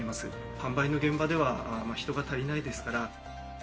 販売の現場では人が足りないですから。